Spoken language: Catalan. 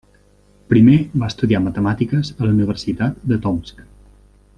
Primer va estudiar matemàtiques a la Universitat de Tomsk.